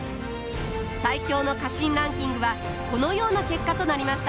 最強の家臣ランキングはこのような結果となりました！